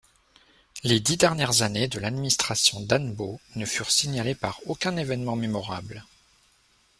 Les dix dernières années de l’administration d’Annebault ne furent signalées par aucun événement mémorable.